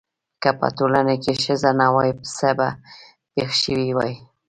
که په ټولنه کې ښځه نه وای څه به پېښ شوي واي؟